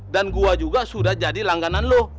dan gua juga sudah jadi langganan lu